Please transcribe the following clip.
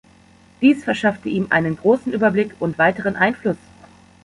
Dies verschaffte ihm einen großen Überblick und weiteren Einfluss.